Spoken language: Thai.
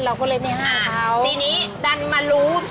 เราก็เลยไม่ห่างเขานะครับครับ